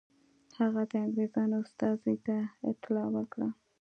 هغه د انګرېزانو استازي ته اطلاع ورکړه.